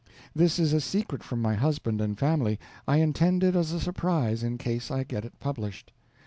This is a secret from my husband and family. I intend it as a surprise in case I get it published.